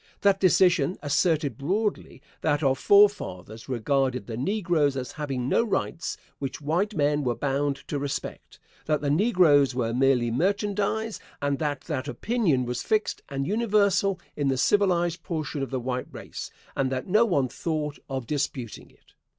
That decision asserted broadly that our forefathers regarded the negroes as having no rights which white men were bound to respect; that the negroes were merely merchandise, and that that opinion was fixed and universal in the civilized portion of the white race, and that no one thought of disputing it.